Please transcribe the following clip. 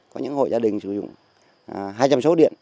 có những hộ gia đình sử dụng hai trăm linh số điện